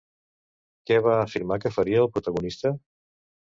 Què va afirmar que faria, el protagonista?